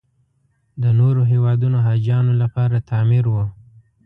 د نورو هېوادونو حاجیانو لپاره تعمیر و.